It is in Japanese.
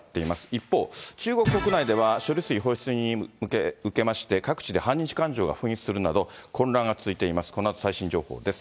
一方、中国国内では処理水放出に向けまして、各地で反日感情が噴出するなど、混乱が続いています。